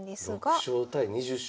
６勝対２０勝。